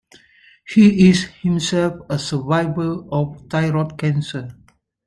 He is, himself, a survivor of thyroid cancer.